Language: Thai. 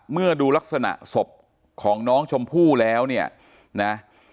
เมื่อดูลักษณะศพของน้องชมพู่แล้วเนี่ยนะ